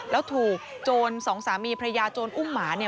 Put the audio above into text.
แล้วถูกโจรสองสามีพญาโจรอุ้มหมาเนี่ย